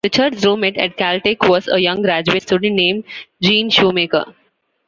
Richard's roommate at Caltech was a young graduate student named Gene Shoemaker.